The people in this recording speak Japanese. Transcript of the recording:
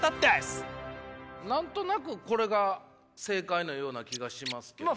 何となくこれが正解のような気がしますけどね。